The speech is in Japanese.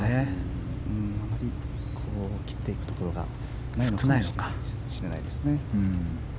やはり、切っていくところが少ないのかもしれないですね。